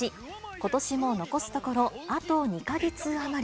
ことしも残すところあと２か月余り。